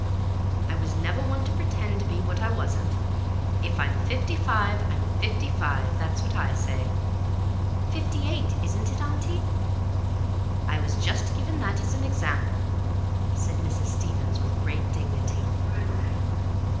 I was never the one to pretend to be what I wasn't. If I'm fifty five, I'm fifty five—that's what I say." "Fifty eight, isn't it, auntie?" "I was just giving that as an example," said Mrs. Stevens with great dignity.